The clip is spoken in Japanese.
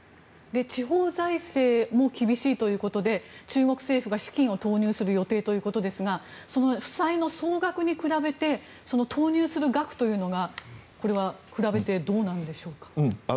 地方財政も厳しいということで中国政府が資金を投入する予定ということですがその負債の総額に比べて投入する額というのはこれは比べてどうなんでしょうか？